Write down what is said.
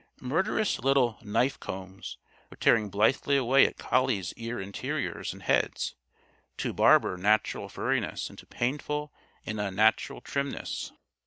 Murderous little "knife combs" were tearing blithely away at collies' ear interiors and heads, to "barber" natural furriness into painful and unnatural trimness.